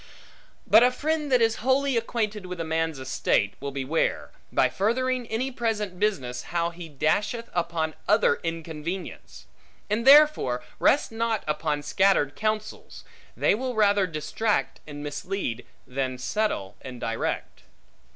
But a friend that is wholly acquainted with a man's estate, will beware, by furthering any present business, how he dasheth upon other inconvenience. And therefore rest not upon scattered counsels; they will rather distract and mislead, than settle and direct.